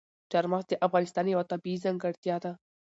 چار مغز د افغانستان یوه طبیعي ځانګړتیا ده.